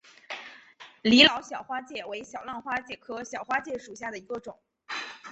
李老小花介为小浪花介科小花介属下的一个种。